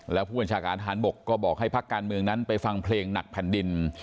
แล้วผู้บัญชาการทหารบกก็บอกให้พักการเมืองนั้นไปฟังเพลงหนักแผ่นดิน